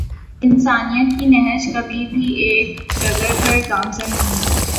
انسانیت کی نہج کبھی بھی ایک ڈگر پر گامزن نہیں